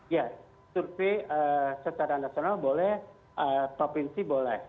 ya survei secara nasional boleh provinsi boleh